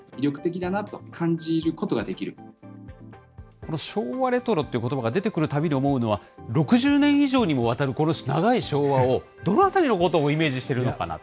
この昭和レトロってことばが出てくるたびに思うのは、６０年以上にもわたるこの長い昭和を、どのあたりのことをイメージしてるのかなって。